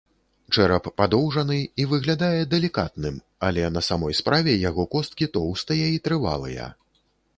Чэрап падоўжаны і выглядае далікатным, але на самой справе яго косткі тоўстыя і трывалыя.